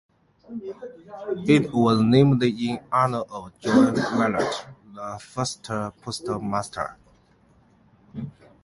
It was named in honor of John Mellott, the first postmaster.